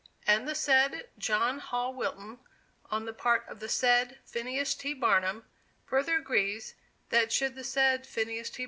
And the said John Hall Wilton, on the part of the said Phineas T. Barnum, further agrees, that should the said Phineas T.